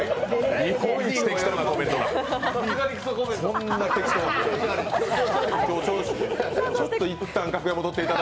日本一適当なコメントだ。